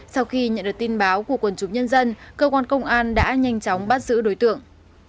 sau khi nhận được tin báo của quần chúng nhân dân cơ quan công an đã nhanh chóng bắt giữ đối tượng